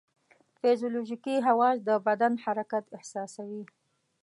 فزیولوژیکي حواس د بدن حرکت احساسوي.